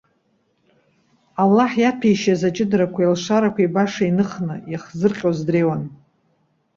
Аллаҳ иаҭәеишьаз аҷыдарақәеи алшарақәеи баша иныхны, иахзырҟьоз дреиуан.